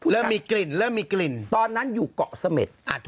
เริ่มมีกลิ่นเริ่มมีกลิ่นตอนนั้นอยู่เกาะเสม็ด